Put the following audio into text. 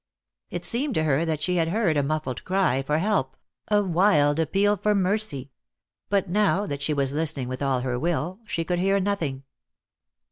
It seemed to her that she had heard a muffled cry for help, a wild appeal for mercy; but now that she was listening with all her will, she could hear nothing.